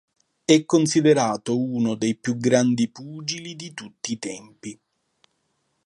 È considerato uno dei più grandi pugili di tutti i tempi.